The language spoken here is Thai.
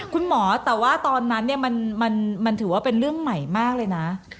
คุณหมอแต่ว่าตอนนั้นมันถือว่าเป็นเรื่องใหม่มากเลยนะ